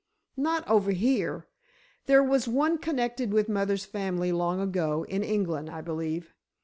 "Not over here. There was one connected with mother's family long ago, in England, I believe.